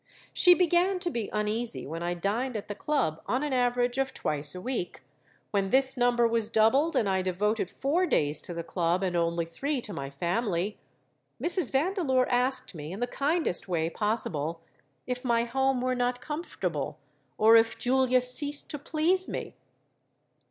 She began to be uneasy when I dined at the Club on an average of twice a week: when this number was doubled and I devoted four days to the Club and only three to my family, Mrs. Vandeleur asked me in the kindest way possible if my home were not comfortable, or if Julia ceased to please me?